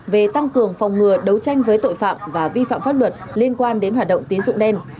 về tăng cường phòng ngừa đấu tranh với tội phạm và vi phạm pháp luật liên quan đến hoạt động tín dụng đen